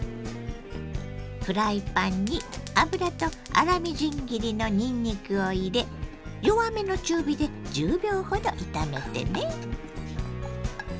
フライパンに油と粗みじん切りのにんにくを入れ弱めの中火で１０秒ほど炒めてね。